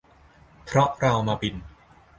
เพราะเรามาบิน